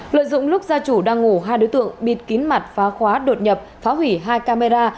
lợi dụng lúc gia chủ đang ngủ hai đối tượng bịt kín mặt phá khóa đột nhập phá hủy hai camera